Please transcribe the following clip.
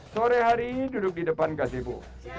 sore hari duduk di depan gati bu